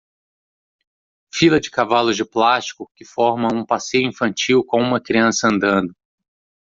Fila de cavalos de plástico que formam um passeio infantil com uma criança andando.